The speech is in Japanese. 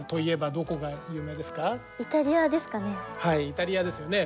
イタリアですよね。